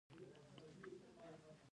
د پکول په سر کول هم دود دی.